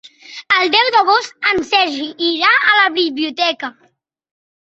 El deu d'agost en Sergi irà a la biblioteca.